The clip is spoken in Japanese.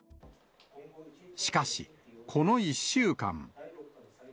しかし、この１週間。